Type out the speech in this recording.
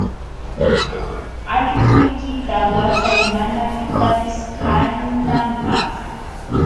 Allquykita watay mana pitapis kaninanpaq.